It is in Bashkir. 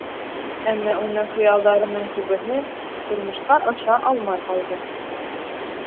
Әммә уның хыялдарының күбеһе тормошҡа аша алмай ҡалды...